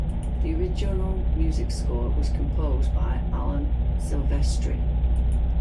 The original music score was composed by Alan Silvestri.